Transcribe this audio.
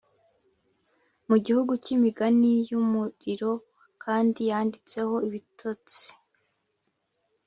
mu gihugu cyimigani yumuriro, kandi yanditseho ibitotsi,